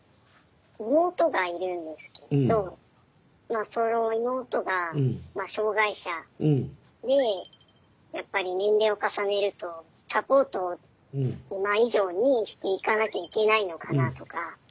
妹がいるんですけれどまあその妹がまあ障害者でやっぱり年齢を重ねるとサポートを今以上にしていかなきゃいけないのかなとか。